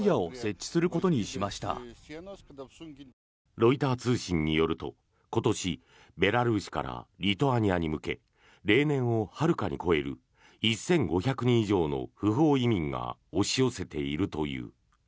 ロイター通信によると今年、ベラルーシからリトアニアに向け例年をはるかに超える１５００人以上の不法移民が押し寄せているという。